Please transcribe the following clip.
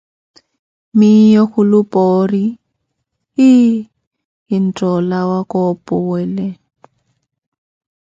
Miyo kilupoori iii, kintoolawa koopuwele.